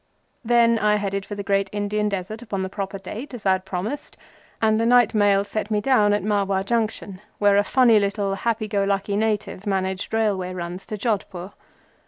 Then I headed for the Great Indian Desert upon the proper date, as I had promised, and the night Mail set me down at Marwar Junction, where a funny little, happy go lucky, native managed railway runs to Jodhpore.